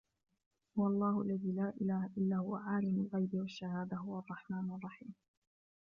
هُوَ اللَّهُ الَّذِي لَا إِلَهَ إِلَّا هُوَ عَالِمُ الْغَيْبِ وَالشَّهَادَةِ هُوَ الرَّحْمَنُ الرَّحِيمُ